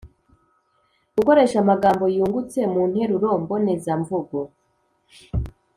Gukoresha amagambo yungutse mu nteruro mbonezamvugo.